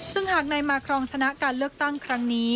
ซึ่งหากนายมาครองชนะการเลือกตั้งครั้งนี้